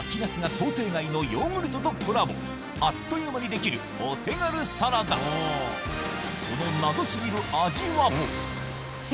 秋ナスが想定外のヨーグルトとコラボあっという間に出来るお手軽サラダその謎過ぎる味は？え！